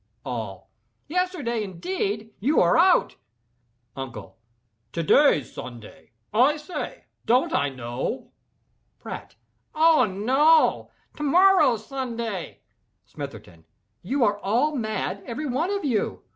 ALL. "Yesterday indeed! you are out!" UNCLE. "To day's Sunday, I say—don't I know?" PRATT. "Oh no!—to morrow's Sunday." SMITHERTON. "You are all mad—every one of you.